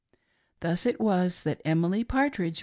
Tkus it was that Emily Partridge